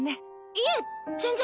いえ全然。